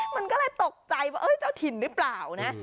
มันก็เลยตกใจว่าเจ้าถิ่นหรือเปล่านะ